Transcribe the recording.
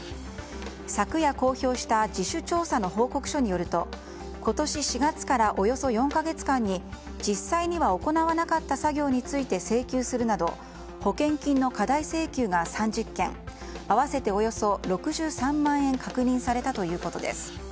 昨夜公表した自主調査の報告書によると今年４月からおよそ４か月間に実際には行わなかった作業について請求するなど保険金の過大請求が３０件合わせておよそ６３万円確認されたということです。